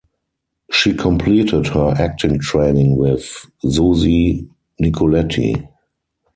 She completed her acting training with Susi Nicoletti.